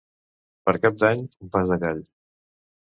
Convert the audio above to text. Per Cap d'Any, un pas de gall.